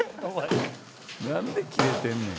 何でキレてんねん？